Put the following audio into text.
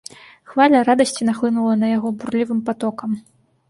Хваля радасці нахлынула на яго бурлівым патокам.